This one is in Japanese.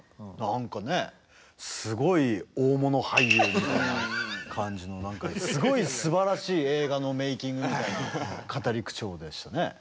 何かねすごい大物俳優みたいな感じのすごいすばらしい映画のメイキングみたいな語り口調でしたね。